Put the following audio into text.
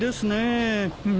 うん。